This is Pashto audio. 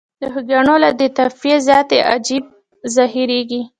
د جوګیانو له دې طایفې زیاتې عجایب ظاهریږي.